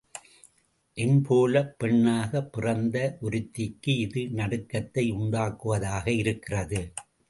என் போலப் பெண்ணாகப் பிறந்த ஒருத்திக்கு, இது நடுக்கத்தை உண்டாக்குவதாக இருக்கிறது.